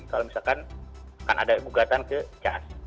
kalau misalkan akan ada gugatan ke cas